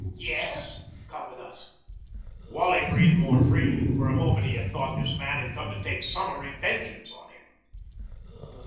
"Y yes." "Come with us." Wally breathed more freely. For a moment he had thought this man had come to take summary vengeance on him.